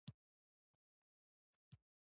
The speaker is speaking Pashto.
شتمن هغه دی چې د زکات په ورکړه ویاړي.